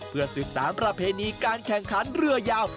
เพื่อสืบสารประเพณีการแข่งขันเรือยาว